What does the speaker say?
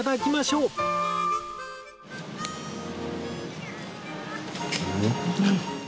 うん。